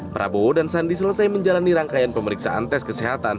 prabowo dan sandi selesai menjalani rangkaian pemeriksaan tes kesehatan